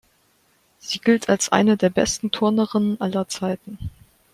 Sie gilt als eine der besten Turnerinnen aller Zeiten.